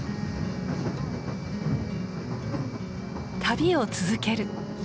旅を続ける。